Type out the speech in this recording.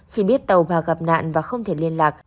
khi biết tàu vào gặp nạn và không thể liên lạc